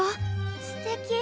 すてき！